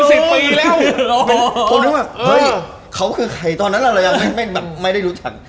จะพูดว่าเขาคือใครตอนนั้นเราไม่ได้รู้ชัก